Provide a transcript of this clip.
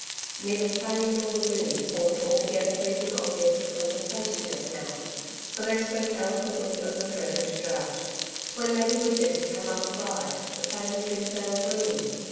Neither plain nor lagoon formed altogether pleasing objects of contemplation just now, for they spoke eloquently of the threatened drought. When Lady Bridget had come up a bride, the plain had been fairly green.